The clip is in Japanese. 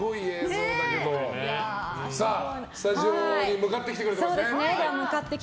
スタジオに向かってきてくれていますね。笑